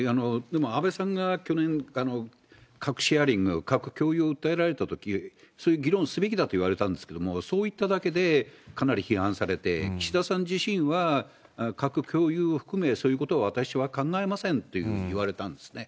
安倍さんが去年、核シェアリング、各共有を訴えられたとき、そういう議論すべきだといわれたんですけれども、そういっただけでかなり批判されて、岸田さん自身は核共有を含め、そういうことは私は考えませんというふうに言われたんですね。